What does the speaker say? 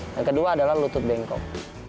dan kedua adalah lutut bengkok